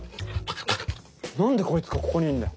なんでこいつがここにいんだよ。